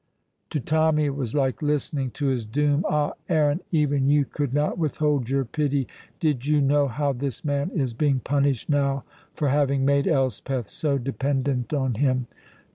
To Tommy it was like listening to his doom. Ah, Aaron, even you could not withhold your pity, did you know how this man is being punished now for having made Elspeth so dependent on him!